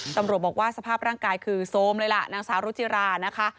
ตำรวจบอกว่าสภาพร่างกายคือโซมเลยล่ะนางสาวรุจิรานะคะ